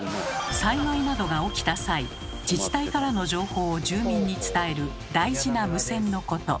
災害などが起きた際自治体からの情報を住民に伝える大事な無線のこと。